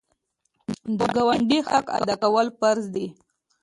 د ګاونډي حق ادا کول فرض دي.